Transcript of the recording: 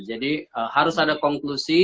jadi harus ada konklusi